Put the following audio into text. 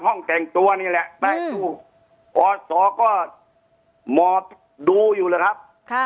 ห้องแต่งตัวนี่แหละอืมอดสอก็หมอดูอยู่แหละครับค่ะ